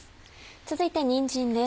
続いてにんじんです。